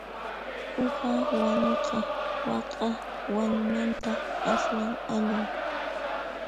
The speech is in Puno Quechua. Uha wanuqa waka wanumanta aswan allin.